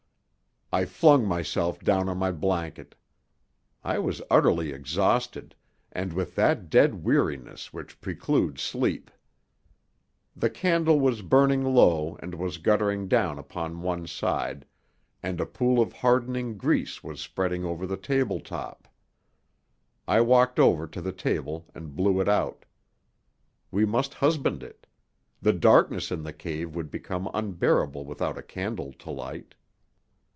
I flung myself down on my blanket. I was utterly exhausted, and with that dead weariness which precludes sleep. The candle was burning low and was guttering down upon one side, and a pool of hardening grease was spreading over the table top. I walked over to the table and blew it out. We must husband it; the darkness in the cave would become unbearable without a candle to light.